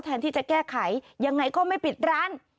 แทนที่จะแก้ไขยังไงก็ไม่ปิดร้าน